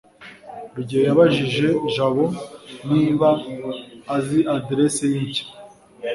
rugeyo yabajije jabo niba azi adresse ye nshya. (c